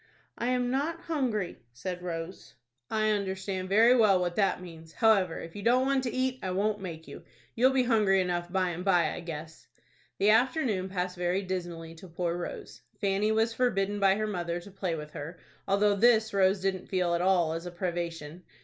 "I am not hungry," said Rose. "I understand very well what that means. However, if you don't want to eat, I won't make you. You'll be hungry enough by and by, I guess." The afternoon passed very dismally to poor Rose. Fanny was forbidden by her mother to play with her, though this Rose didn't feel at all as a privation.